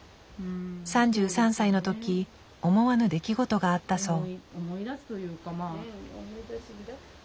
３３歳のとき思わぬ出来事があったそう。